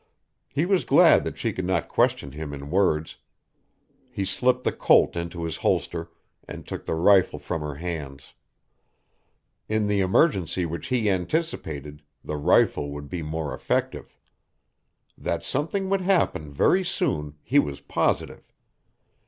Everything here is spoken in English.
He was glad that she could not question him in words. He slipped the Colt into its holster and took the rifle from her hands. In the emergency which he anticipated the rifle would be more effective. That something would happen very soon he was positive.